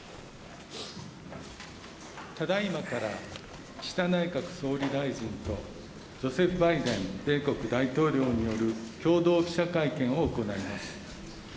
ただいまから、岸田内閣総理大臣と、ジョセフ・バイデン米国大統領による共同記者会見を行います。